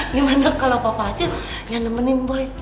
gimana kalau papa aja yang nemenin boy